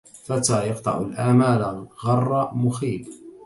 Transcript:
فتى يقطع الآمال غر مخيب